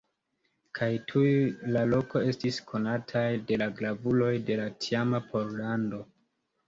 Kaj tuj la loko estis konataj de la gravuloj de la tiama Pollando.